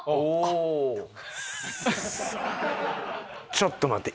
ちょっと待て。